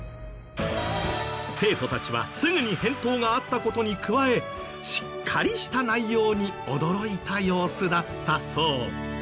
生徒たちはすぐに返答があった事に加えしっかりした内容に驚いた様子だったそう。